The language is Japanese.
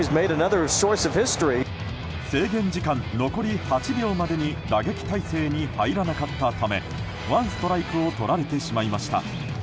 制限時間残り８秒までに打撃態勢に入らなかったためワンストライクを取られてしまいました。